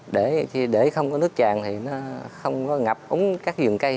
để không có nước chàn thì nó không có ngập ống các dường cây